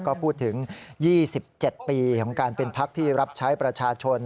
ก็พูดถึง๒๗ปีของการเป็นพักที่รับใช้ประชาชน